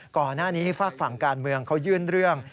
ก่อนหน้านี้ฝากฝั่งการเมืองเขายื่นเรื่อง